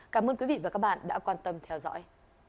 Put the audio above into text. cảm ơn quý vị và các bạn đã quan tâm theo dõi